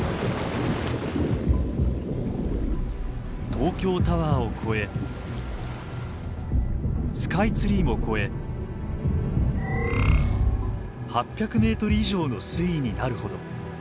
東京タワーを超えスカイツリーも超え８００ｍ以上の水位になるほど。